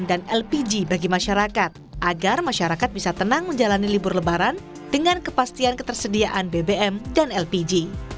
dan lpg bagi masyarakat agar masyarakat bisa tenang menjalani libur lebaran dengan kepastian ketersediaan bbm dan lpg